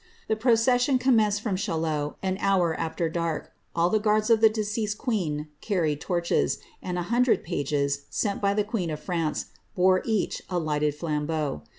The procession commenced from [HiaiUot, an hour after dark; all the guards of the deceased queen larried torches, and a hundred pages, sent by the queen of France, bore •ach a lighted flambeau.